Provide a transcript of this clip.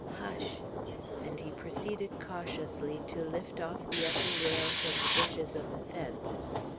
"Hush!" and he proceeded cautiously to lift off the upper rails and bushes of the fence.